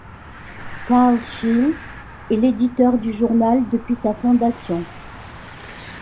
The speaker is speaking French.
Karl Shell est l'éditeur du journal depuis sa fondation.